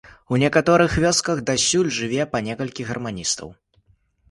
У некаторых вёсках дасюль жыве па некалькі гарманістаў.